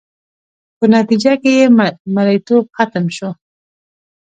په نتیجه کې یې مریتوب ختم شو